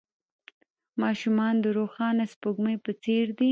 ماشومان د روښانه سپوږمۍ په څېر دي.